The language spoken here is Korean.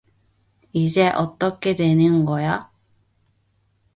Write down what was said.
이제 어떻게 되는 거야?